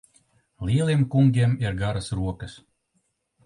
Lieliem kungiem ir garas rokas.